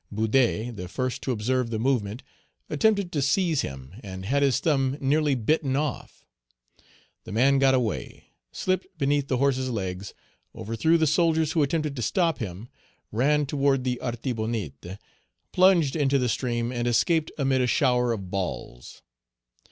Boudet, the first to observe the movement, attempted to seize him, and had his thumb nearly bitten off. The man got away, slipped beneath the horse's legs, overthrew the soldiers who attempted to stop him, ran toward the Artibonite, plunged into the stream, and escaped amid a shower of balls.